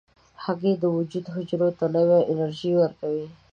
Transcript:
هګۍ د وجود حجرو ته نوې انرژي ورکوي.